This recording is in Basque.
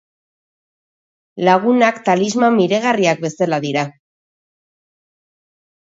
Lagunak talisman miragarriak bezala dira.